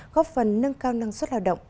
góp phần nâng cao năng suất lao động